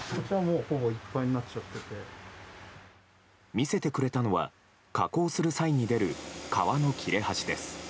見せてくれたのは加工する際に出る革の切れ端です。